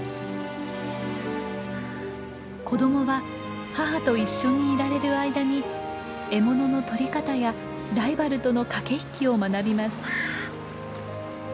子どもは母と一緒にいられる間に獲物の捕り方やライバルとの駆け引きを学びます。